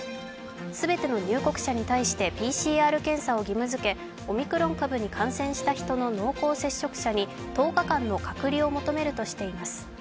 全ての入国者に対してＰＣＲ検査を義務づけ、オミクロン株に感染した人の濃厚接触者に１０日間の隔離を求めるとしています。